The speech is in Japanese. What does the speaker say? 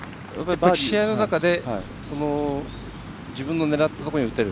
試合の中で自分の狙ったところに打てる。